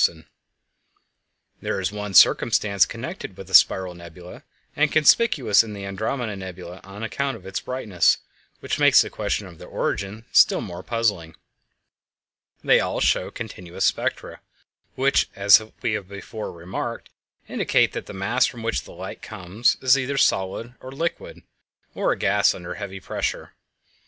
[Illustration: Nebula in Cetus] There is one circumstance connected with the spiral nebulæ, and conspicuous in the Andromeda Nebula on account of its brightness, which makes the question of their origin still more puzzling; they all show continuous spectra, which, as we have before remarked, indicate that the mass from which the light comes is either solid or liquid, or a gas under heavy pressure.